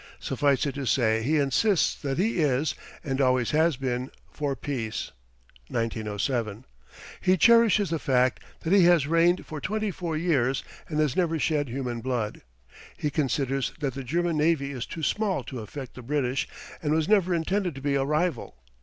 Suffice it to say he insists that he is, and always has been, for peace. [1907.] He cherishes the fact that he has reigned for twenty four years and has never shed human blood. He considers that the German navy is too small to affect the British and was never intended to be a rival.